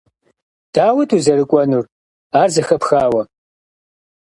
Дауэт узэрыкӀуэнур, ар зэхэпхауэ?..